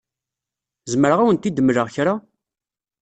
Zemreɣ ad awent-d-mleɣ kra?